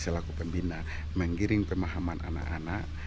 selaku pembina menggiring pemahaman anak anak